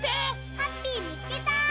ハッピーみつけた！